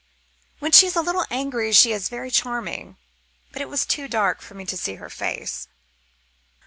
When she is a little angry she is very charming, but it was too dark for me to see her face.